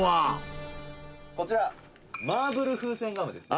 「こちらマーブルフーセンガムですね」